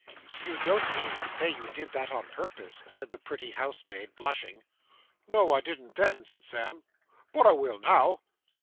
'You don't mean to say you did that on purpose,' said the pretty housemaid, blushing. 'No, I didn't then,' said Sam; 'but I will now.